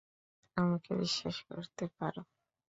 আমাকে বিশ্বাস করতে পারো।